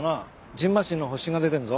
じんましんの発疹が出てるぞ。